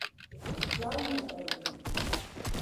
Law mesa oti